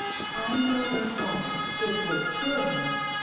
I know her father; it would kill him.